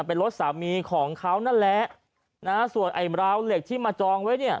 เป็นรถสามีของเขานั่นแหละนะฮะส่วนไอ้ราวเหล็กที่มาจองไว้เนี่ย